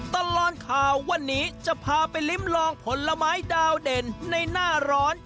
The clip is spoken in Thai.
ตลอดข่าววันนี้จะพาไปลิ้มลองผลไม้ดาวเด่นในหน้าร้อน